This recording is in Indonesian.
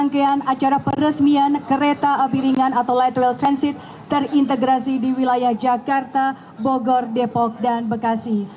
rangkaian acara peresmian kereta api ringan atau light rail transit terintegrasi di wilayah jakarta bogor depok dan bekasi